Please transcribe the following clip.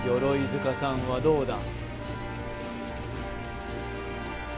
鎧塚さんはどうだ？